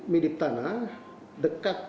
mindip tana dekat